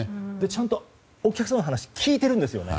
ちゃんとお客さんの話を聞いてるんですよね。